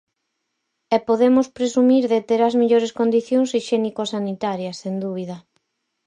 E podemos presumir de ter as mellores condicións hixiénico-sanitarias, sen dúbida.